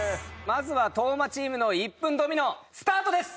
まずは斗真チームの１分ドミノスタートです！